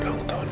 ulang tahun gue